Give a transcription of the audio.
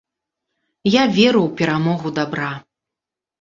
Я веру ў перамогу дабра.